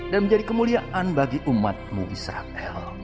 dan menjadi kemuliaan bagi umatmu israel